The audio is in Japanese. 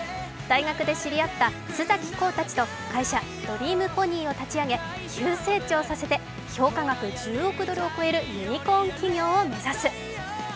大学で知り合った須崎功たちと会社、ドリームポニーを立ち上げ急成長させて、評価額１０億ドルを超えるユニコーン企業を目指す。